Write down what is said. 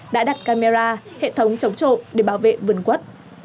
đã đặt camera hệ thống chống trộm để bảo vệ vườn quất